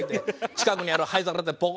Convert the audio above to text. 近くにある灰皿でボコ！